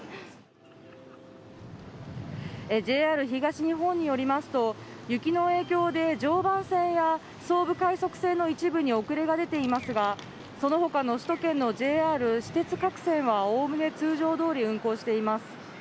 ＪＲ東日本によりますと、雪の影響で常磐線や総武快速線の一部に遅れが出ていますが、その他の首都圏のＪＲ、私鉄各線は概ね通常通り運行しています。